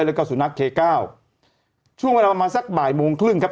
แล้วก็สุนัขเคเก้าช่วงเวลาประมาณสักบ่ายโมงครึ่งครับ